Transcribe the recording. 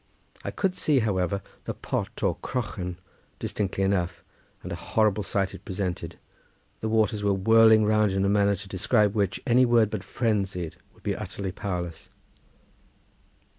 I could see, however, the pot or crochan distinctly enough, and a horrible sight it presented. The waters were whirling round in a manner to describe which any word but frenzied would be utterly powerless.